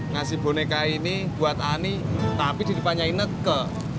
ngasih boneka ini buat ani tapi jadi panjain neke